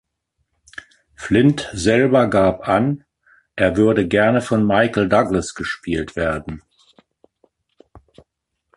Flynt selber gab an, er würde gerne von Michael Douglas gespielt werden.